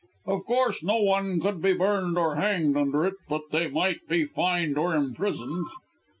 "Of course no one could be burned or hanged under it, but they might be fined or imprisoned."